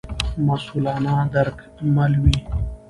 مسوولانه درک مل وي.